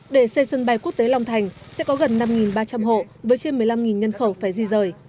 để xây sân bay quốc tế long thành sẽ có gần năm ba trăm linh hộ với trên một mươi năm nhân khẩu phải di rời